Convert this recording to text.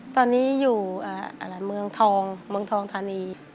ตอนนี้อยู่เมืองทองเมืองทองธานี